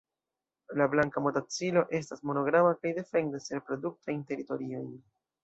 La Blanka motacilo estas monogama kaj defendas reproduktajn teritoriojn.